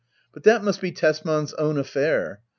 But that must be Tesman's own affair.